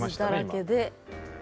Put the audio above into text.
傷だらけで。